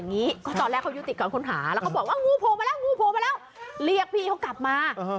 นี่สรุปคือกู่ภัยไม่เห็นอ่ะ